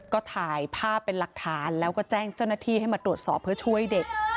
ก็ถ่ายภาพเป็นหลักฐานแล้วก็แจ้งเจ้าหน้าที่ให้มาตรวจสอบเพื่อช่วยเด็ก